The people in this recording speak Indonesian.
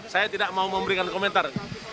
saya tidak mau memberikan komentar